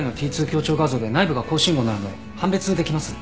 Ｔ２強調画像で内部が高信号になるので判別できます。